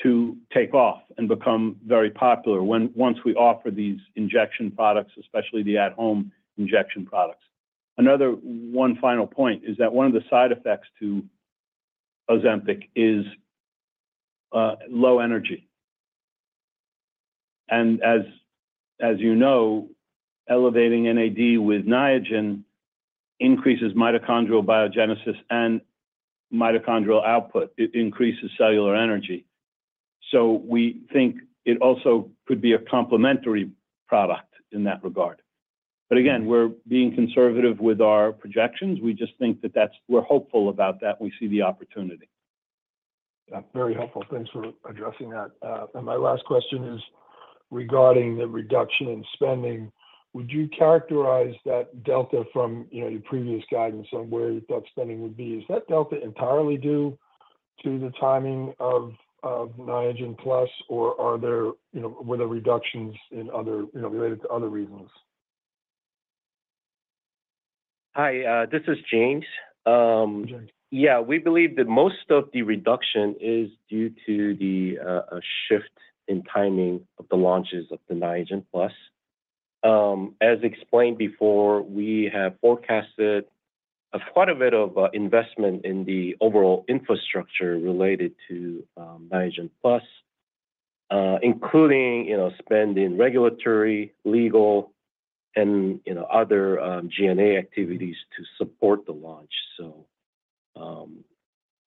to take off and become very popular once we offer these injection products, especially the at-home injection products. Another one final point is that one of the side effects to Ozempic is low energy. As you know, elevating NAD with Niagen increases mitochondrial biogenesis and mitochondrial output. It increases cellular energy. So we think it also could be a complementary product in that regard. But again, we're being conservative with our projections. We just think that we're hopeful about that. We see the opportunity. That's very helpful. Thanks for addressing that. And my last question is regarding the reduction in spending. Would you characterize that delta from your previous guidance on where that spending would be? Is that delta entirely due to the timing of Niagen Plus, or were there reductions related to other reasons? Hi. This is James. Yeah. We believe that most of the reduction is due to the shift in timing of the launches of the Niagen Plus. As explained before, we have forecasted quite a bit of investment in the overall infrastructure related to Niagen Plus, including spend in regulatory, legal, and other G&A activities to support the launch. So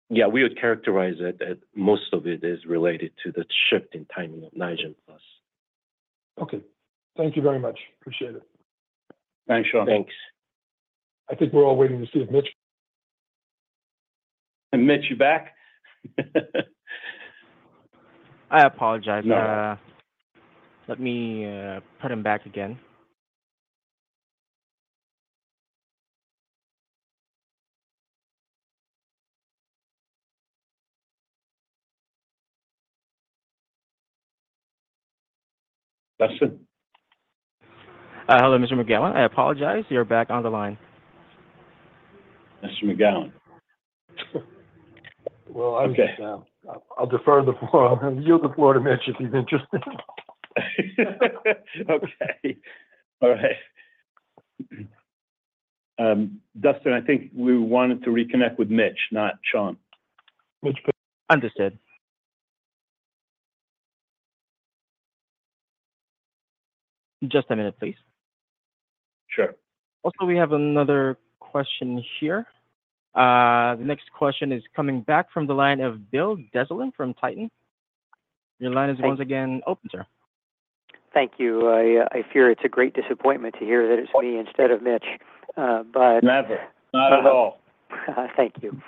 yeah, we would characterize it that most of it is related to the shift in timing of Niagen Plus. Okay. Thank you very much. Appreciate it. Thanks, Sean. Thanks. I think we're all waiting to see if Mitch. And Mitch, you're back. I apologize. Let me put him back again. Dustin? Hello, Mr. McGowan. I apologize. You're back on the line. Mr. McGowan. Well, I'll defer the floor. I'll yield the floor to Mitch if he's interested. Okay. All right. Dustin, I think we wanted to reconnect with Mitch, not Sean. Mitch. Understood. Just a minute, please. Sure. Also, we have another question here. The next question is coming back from the line of Bill Dezellem from Tieton Capital Management. Your line is once again open, sir. Thank you. I fear it's a great disappointment to hear that it's me instead of Mitch, but. Never. Not at all. Thank you.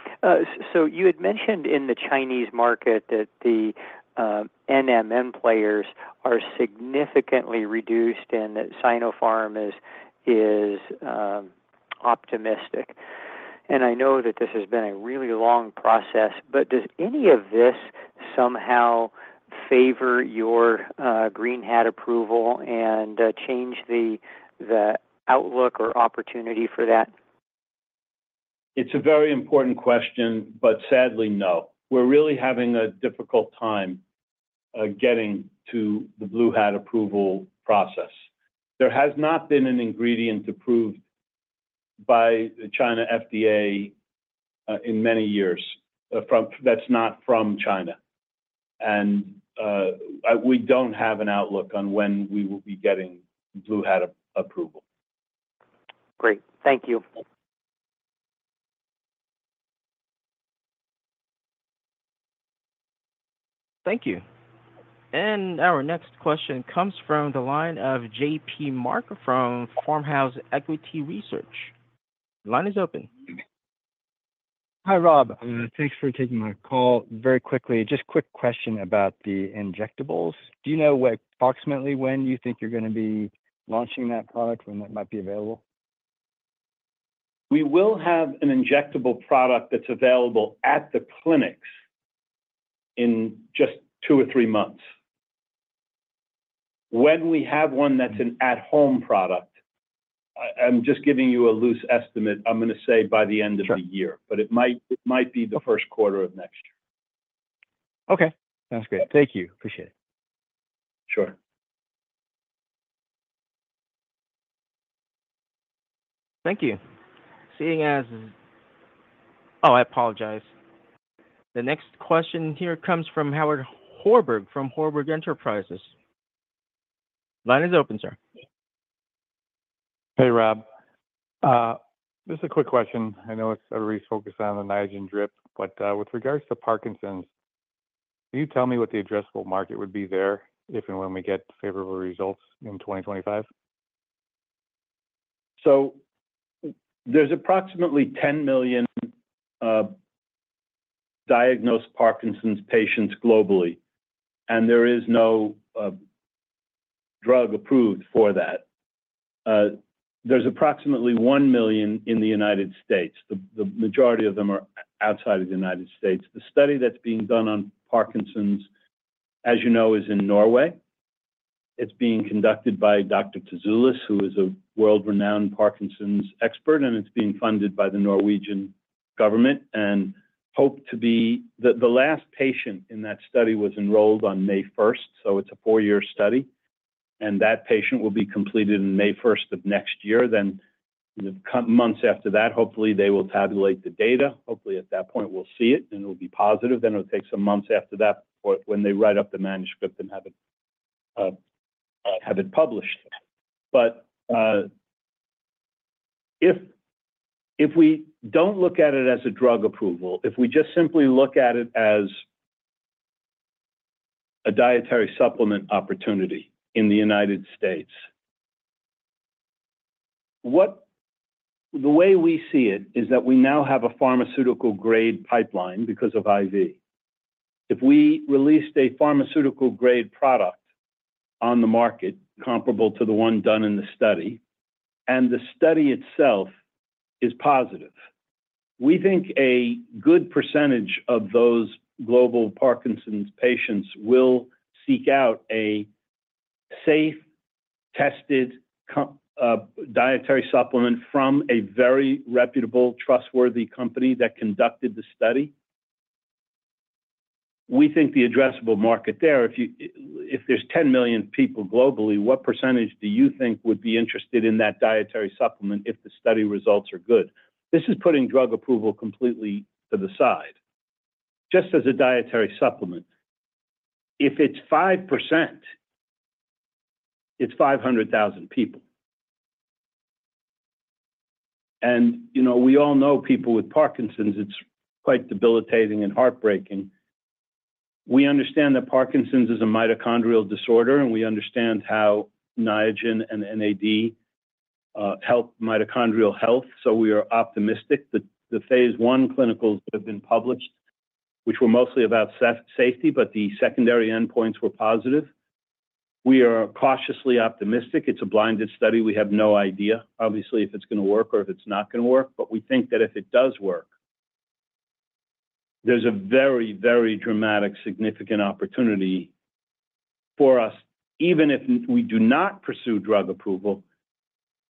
So you had mentioned in the Chinese market that the NMN players are significantly reduced and that Sinopharm is optimistic. I know that this has been a really long process, but does any of this somehow favor your Green Hat approval and change the outlook or opportunity for that? It's a very important question, but sadly, no. We're really having a difficult time getting to the Blue Hat approval process. There has not been an ingredient approved by the China FDA in many years that's not from China. And we don't have an outlook on when we will be getting Blue Hat approval. Great. Thank you. Thank you. And our next question comes from the line of J.P. Mark from Farmhouse Equity Research. The line is open. Hi, Rob. Thanks for taking my call. Very quickly, just a quick question about the injectables. Do you know approximately when you think you're going to be launching that product, when that might be available? We will have an injectable product that's available at the clinics in just 2 or 3 months. When we have one that's an at-home product, I'm just giving you a loose estimate. I'm going to say by the end of the year, but it might be the first quarter of next year. Okay. Sounds great. Thank you. Appreciate it. Sure. Thank you. Seeing as, oh, I apologize. The next question here comes from Howard Horberg from Horberg Enterprises. The line is open, sir. Hey, Rob. This is a quick question. I know it's a refocus on the Niagen drip, but with regards to Parkinson's, can you tell me what the addressable market would be there if and when we get favorable results in 2025? So there's approximately 10 million diagnosed Parkinson's patients globally, and there is no drug approved for that. There's approximately 1 million in the United States. The majority of them are outside of the United States. The study that's being done on Parkinson's, as you know, is in Norway. It's being conducted by Dr. Tzoulis, who is a world-renowned Parkinson's expert, and it's being funded by the Norwegian government, and hoped to be the last patient in that study was enrolled on May 1st. So it's a four-year study, and that patient will be completed on May 1st of next year. Then, months after that, hopefully, they will tabulate the data. Hopefully, at that point, we'll see it, and it will be positive. Then it will take some months after that when they write up the manuscript and have it published. But if we don't look at it as a drug approval, if we just simply look at it as a dietary supplement opportunity in the United States, the way we see it is that we now have a pharmaceutical-grade pipeline because of IV. If we released a pharmaceutical-grade product on the market comparable to the one done in the study, and the study itself is positive, we think a good percentage of those global Parkinson's patients will seek out a safe, tested dietary supplement from a very reputable, trustworthy company that conducted the study. We think the addressable market there, if there's 10 million people globally, what percentage do you think would be interested in that dietary supplement if the study results are good? This is putting drug approval completely to the side. Just as a dietary supplement, if it's 5%, it's 500,000 people. We all know people with Parkinson's, it's quite debilitating and heartbreaking. We understand that Parkinson's is a mitochondrial disorder, and we understand how Niagen and NAD help mitochondrial health, so we are optimistic. The phase one clinicals have been published, which were mostly about safety, but the secondary endpoints were positive. We are cautiously optimistic. It's a blinded study. We have no idea, obviously, if it's going to work or if it's not going to work, but we think that if it does work, there's a very, very dramatic, significant opportunity for us, even if we do not pursue drug approval,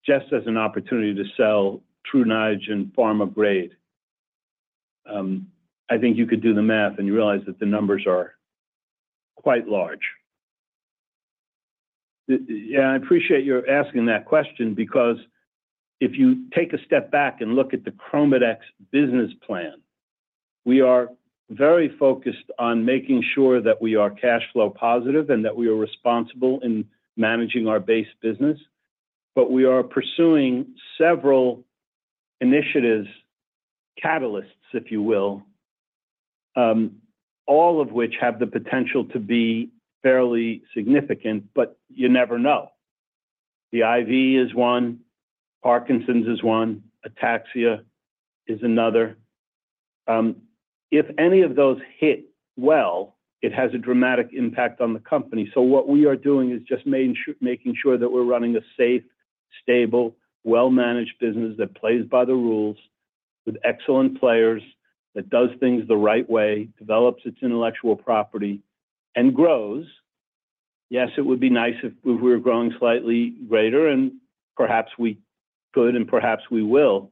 just as an opportunity to sell True Niagen pharma grade. I think you could do the math and realize that the numbers are quite large. Yeah, I appreciate your asking that question because if you take a step back and look at the ChromaDex business plan, we are very focused on making sure that we are cash flow positive and that we are responsible in managing our base business, but we are pursuing several initiatives, catalysts, if you will, all of which have the potential to be fairly significant, but you never know. The IV is one. Parkinson's is one. Ataxia is another. If any of those hit well, it has a dramatic impact on the company. So what we are doing is just making sure that we're running a safe, stable, well-managed business that plays by the rules with excellent players, that does things the right way, develops its intellectual property, and grows. Yes, it would be nice if we were growing slightly greater, and perhaps we could, and perhaps we will,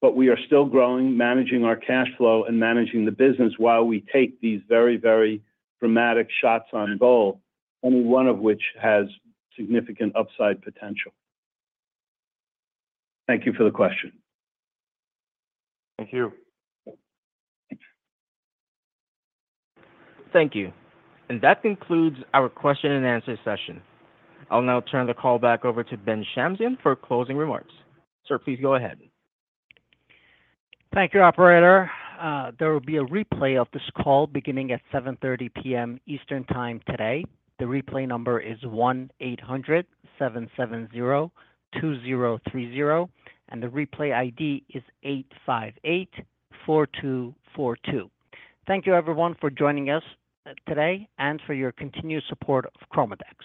but we are still growing, managing our cash flow, and managing the business while we take these very, very dramatic shots on goal, any one of which has significant upside potential. Thank you for the question. Thank you. Thank you. That concludes our question-and-answer session. I'll now turn the call back over to Ben Shamsian for closing remarks. Sir, please go ahead. Thank you, Operator. There will be a replay of this call beginning at 7:30 P.M. Eastern Time today. The replay number is 1-800-770-2030, and the replay ID is 858-4242. Thank you, everyone, for joining us today and for your continued support of ChromaDex.